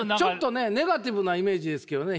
ネガティブなイメージですけどね！